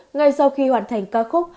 ngay sau khi hoàn thành ca khúc